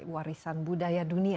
warisan budaya dunia